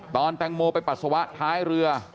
ตอนตังโมไปปรัศวะท้ายเรือ